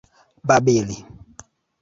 babili